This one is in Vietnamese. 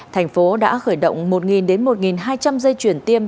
thành phố đã khởi động một đến một hai trăm linh dây chuyển tiêm